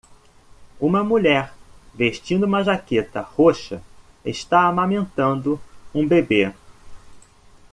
Uma mulher vestindo uma jaqueta roxa está amamentando um bebê.